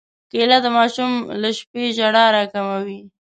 کېله د ماشوم له شپې ژړا راکموي.